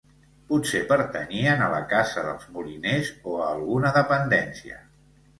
Potser pertanyien a la casa dels moliners o a alguna dependència.